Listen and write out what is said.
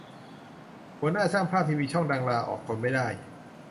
หัวหน้าช่างภาพทีวีช่องดัง ลาออก ทนไม่ได้